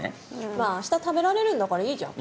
まぁ明日食べられるんだからいいじゃん。